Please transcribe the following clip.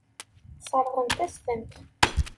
Sseṛɣent-as-tent.